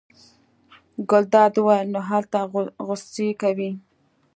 ګلداد وویل: نو هلته غوسې کوې.